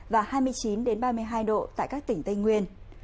và hai mươi chín ba mươi hai độ tại các tỉnh tây nguyên